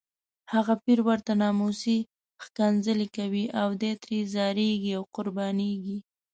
هغه پیر ورته ناموسي ښکنځلې کوي او دی ترې ځاریږي او قربانیږي.